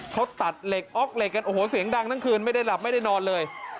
เขาตัดเหล็กออกเหล็กกันโอ้โหเสียงดังทั้งคืนไม่ได้หลับไม่ได้นอนเลย